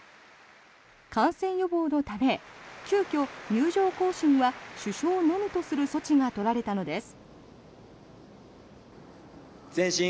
感染予防のため急きょ、入場行進は主将のみとする措置が取られたのです。